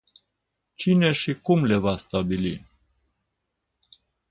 Cine și cum le va stabili?